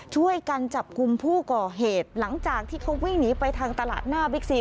ช่วยกันจับกลุ่มผู้ก่อเหตุหลังจากที่เขาวิ่งหนีไปทางตลาดหน้าบิ๊กซี